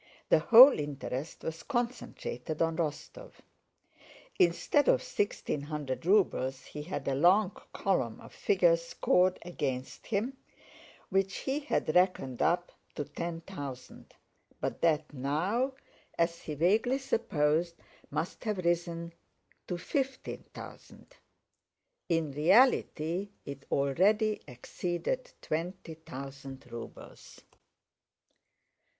The whole interest was concentrated on Rostóv. Instead of sixteen hundred rubles he had a long column of figures scored against him, which he had reckoned up to ten thousand, but that now, as he vaguely supposed, must have risen to fifteen thousand. In reality it already exceeded twenty thousand rubles.